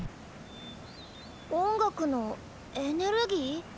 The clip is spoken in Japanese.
音楽のエネルギー？